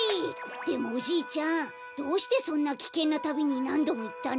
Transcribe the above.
でもおじいちゃんどうしてそんなきけんなたびになんどもいったの？